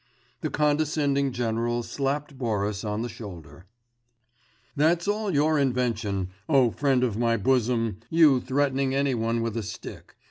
The condescending general slapped Boris on the shoulder. 'That's all your invention, O friend of my bosom.... You threatening any one with a stick....